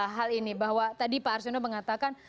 hal ini bahwa tadi pak arsono mengatakan